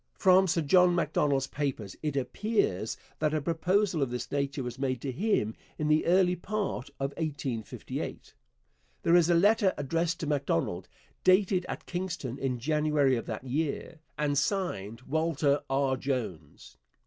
From Sir John Macdonald's papers it appears that a proposal of this nature was made to him in the early part of 1858. There is a letter addressed to Macdonald, dated at Kingston in January of that year, and signed 'Walter R. Jones.'